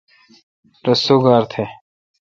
رس سوگار تھ۔